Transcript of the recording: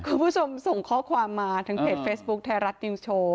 คุณผู้ชมส่งข้อความมาทางเพจเฟซบุ๊คไทยรัฐนิวส์โชว์